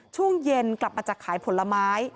ช่วงเย็นกลับมาจากขายผลไม้